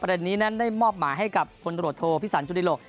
ประเด็นนี้นั้นได้มอบมาให้กับคนตรวจโทษพิสันจุดิโรค